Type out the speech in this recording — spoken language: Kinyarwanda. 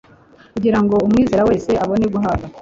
kugira ngo umwizera wese abone guhabwa